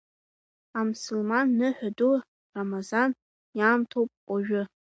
Амсылман ныҳәа ду рамазан иаамҭоуп ожәы.